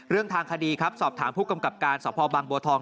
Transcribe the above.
ทางคดีครับสอบถามผู้กำกับการสพบางบัวทอง